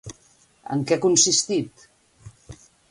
En què ha consistit?